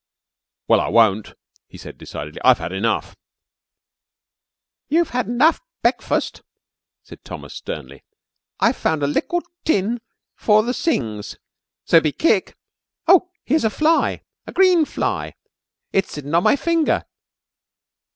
"Well, I won't," he said decidedly. "I've had enough!" "You've had 'nuff brekfust," said Thomas sternly. "I've found a lickle tin for the sings, so be kick. Oo, here's a fly! A green fly! It's sittin' on my finger.